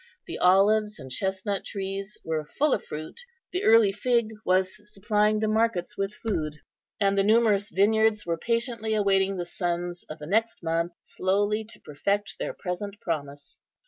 The olives and chestnut trees were full of fruit; the early fig was supplying the markets with food; and the numerous vineyards were patiently awaiting the suns of the next month slowly to perfect their present promise.